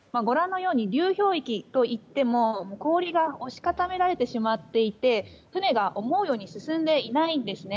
流氷域といっても氷が押し固められてしまっていて船が思うように進んでいないんですね。